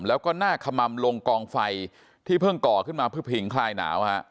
แล้วก็หน้าขมัมลงกองไฟที่เพิ่งก่อขึ้นมาเพื่อผิงคลายหนาว